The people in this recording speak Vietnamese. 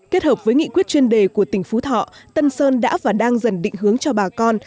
kết hợp với nghị quyết chuyên đề của tỉnh phú thọ tân sơn đã và đang dần định hướng cho bà con